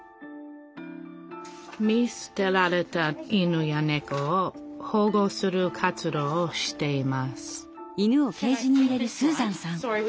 見すてられた犬やねこを保護する活動をしています